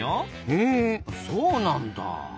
へえそうなんだ。